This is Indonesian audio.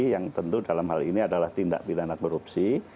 yang tentu dalam hal ini adalah tindak pidana korupsi